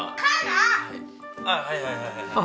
はいはいはいはい。